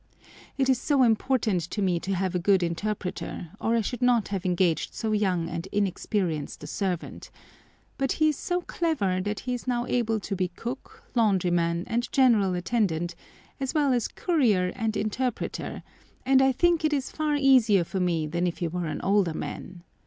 It is so important to me to have a good interpreter, or I should not have engaged so young and inexperienced a servant; but he is so clever that he is now able to be cook, laundryman, and general attendant, as well as courier and interpreter, and I think it is far easier for me than if he were an older man.